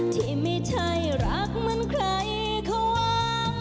ที่ไม่ใช่รักเหมือนใครความ